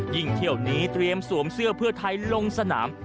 ยิ่งเที่ยวนี้เตรียมสวมเสื้อเพื่อไทยลงสนาม